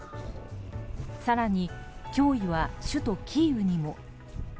更に脅威は首都キーウにも。